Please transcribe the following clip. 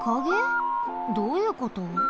どういうこと？